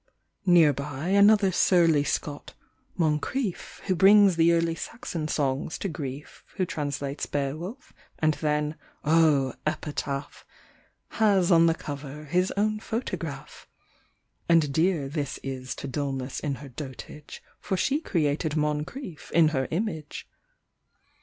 Near by, another surly Scot — Moncriell Who brings the Early Saxon songs to griei, Who translates Boewolf, and then (oh epitaph I) Has on the cover his own photograph. (And dear this is to Dullness in her dotage For she created Moncrieff in her image.)